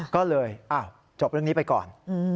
ก็เลยจบเรื่องนี้ไปก่อน